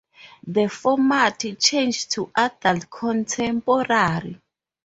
The format changed to adult contemporary.